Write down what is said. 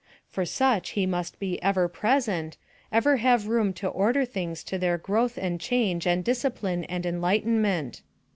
For such he must be ever present, ever have room to order things for their growth and change and discipline and enlightenment.